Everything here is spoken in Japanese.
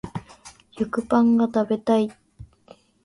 食パンが食べたい